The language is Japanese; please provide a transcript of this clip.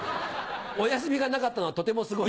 おやすみがなかったのはとてもすごい」。